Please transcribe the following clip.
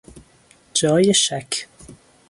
جای شک